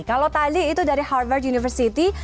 kalau tadi itu dari harvard university